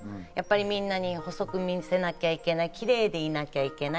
みんなに細く見せなきゃいけない、キレイでいなきゃいけない。